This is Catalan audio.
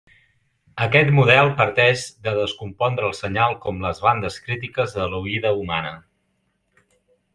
Aquest model parteix de descompondre el senyal com les bandes crítiques de l'oïda humana.